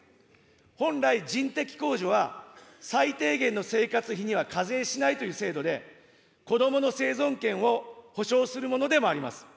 本来、人的控除は、最低限の生活費には課税しないという制度で、子どもの生存権を保障するものでもあります。